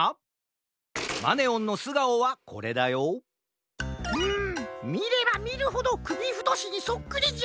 マネオンのすがおはこれだようんみればみるほどくびふとしにそっくりじゃ。